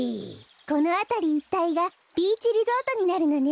このあたりいったいがビーチリゾートになるのね。